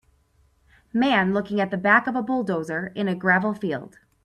Man looking at the back of a bulldozer in a gravel field.